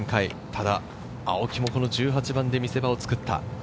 ただ青木もこの１８番で見せ場を作った。